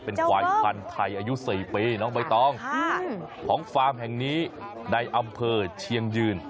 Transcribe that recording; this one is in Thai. เป็นควายพันธุ์ไทยอายุ๔ปีน้องใบตองของฟาร์มแห่งนี้ในอำเภอเชียงยืน